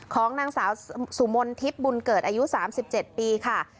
ของนางสาวสุมนทิพย์บุญเกิดอายุ๓๗ปีค่ะ